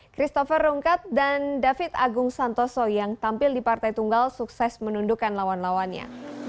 christopher rungkat dan david agung santoso yang tampil di partai tunggal sukses menundukkan lawan lawannya